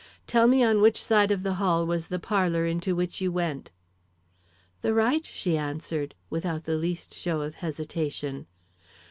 "Tell me on which side of the hall was the parlor into which you went." "The right," she answered, without the least show of hesitation.